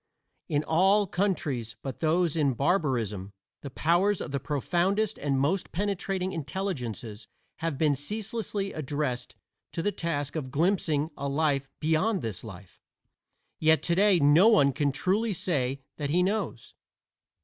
In all countries but those in barbarism the powers of the profoundest and most penetrating intelligences have been ceaselessly addressed to the task of glimpsing a life beyond this life; yet today no one can truly say that he knows.